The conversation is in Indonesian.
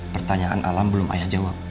pertanyaan alam belum ayah jawab